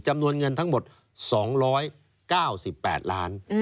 จำนวนเงินทั้งหมด๒๙๘ล้าน